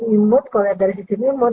imut kalau dari sisi imun